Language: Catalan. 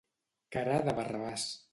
Cara de Barrabàs.